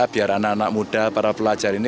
biar anak anak muda para pelajar ini